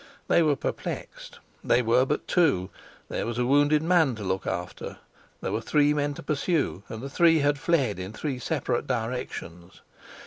They were perplexed: they were but two; there was a wounded man to look after; there were three men to pursue, and the three had fled in three separate directions.